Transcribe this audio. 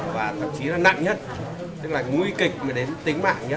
và thậm chí là nặng nhất tức là nguy kịch mà đến tính mạng nhất